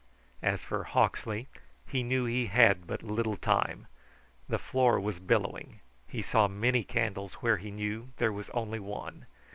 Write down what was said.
As for Hawksley, he knew he had but little time. The floor was billowing; he saw many candles where he knew there was only one.